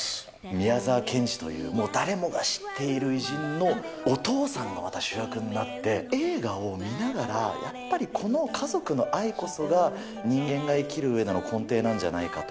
宮沢賢治という、もう誰もが知っている偉人のお父さんがまた主役になって、映画を見ながら、やっぱりこの家族の愛こそが、人間が生きる上での根底なんじゃないかと。